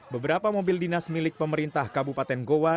beberapa mobil dinas milik pemerintah kabupaten goa